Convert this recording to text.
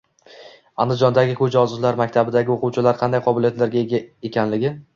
Andijondagi ko‘zi ojizlar maktabidagi o‘quvchilar qanday qobiliyatlarga ega ekanligi